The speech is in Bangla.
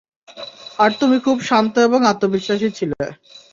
আর তুমি খুব শান্ত এবং আত্মবিশ্বাসী ছিলে।